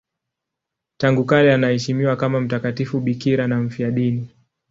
Tangu kale anaheshimiwa kama mtakatifu bikira na mfiadini.